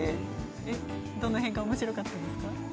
どの辺がおもしろかったですか。